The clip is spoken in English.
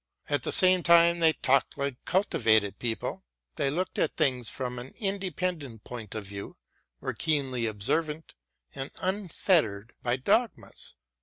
At the same time they talked like cultivated people, they looked at things from an independent point of view, were keenly observant and unfettered by dogmas.